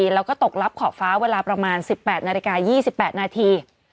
แล้วก็ตกลับขอบฟ้าเวลาประมาณ๑๘นาฬิกา๒๘นาที